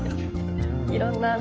いろんな穴。